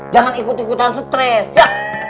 jangan ikut ikutan stres ya